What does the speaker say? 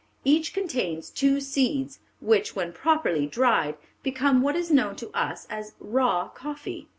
Each contains two seeds, which, when properly dried, become what is known to us as 'raw' coffee."